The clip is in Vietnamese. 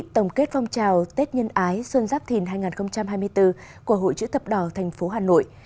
tổng kết phong trào tết nhân ái xuân giáp thìn hai nghìn hai mươi bốn của hội chữ thập đỏ tp hà nội